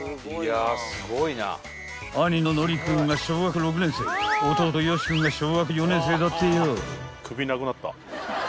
［兄ののり君が小学６年生弟よし君が小学４年生だってよ］